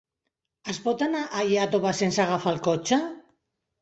Es pot anar a Iàtova sense agafar el cotxe?